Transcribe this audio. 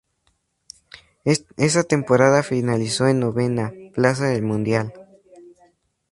Esa temporada finalizó en novena plaza el Mundial.